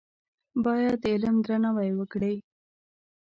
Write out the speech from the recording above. باید د علم درناوی وکړې.